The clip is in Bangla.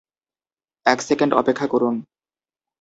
এক সেকেন্ড অপেক্ষা করুন।